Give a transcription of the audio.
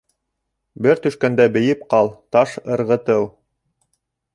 Бер төшкәндә бейеп ҡал, Таш ырғытыу